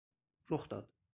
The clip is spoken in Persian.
رخ داد